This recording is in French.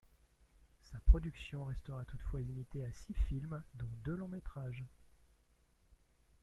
Sa production restera toutefois limitée à six films, dont deux longs métrages.